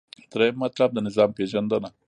دریم مطلب : د نظام پیژندنه